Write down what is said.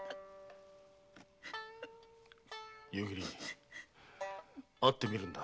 夕霧会ってみるんだ。